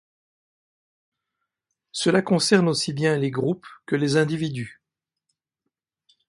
Cela concerne aussi bien les groupes que les individus.